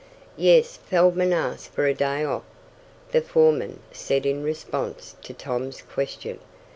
"Yes, Feldman asked for a day off," the foreman said in response to Tom's question.